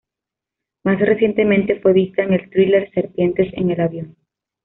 Más recientemente, fue vista en el thriller "Serpientes en el avión".